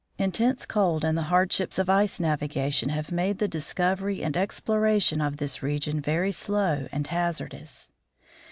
Intense cold and the hardships of ice navigation have made the discovery and exploration of this region very slow and hazardous.